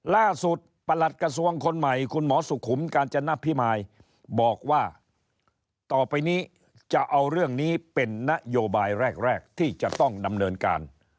ประหลัดกระทรวงคนใหม่คุณหมอสุขุมกาญจนพิมายบอกว่าต่อไปนี้จะเอาเรื่องนี้เป็นนโยบายแรกที่จะต้องดำเนินการ